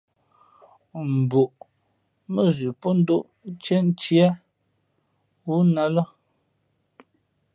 Mbǔʼ mά zʉʼ pó ndóʼ ntīēntíé wú nά ā lά.